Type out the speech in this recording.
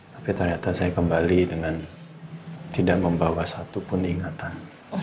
tapi ternyata saya kembali dengan tidak membawa satupun ingatan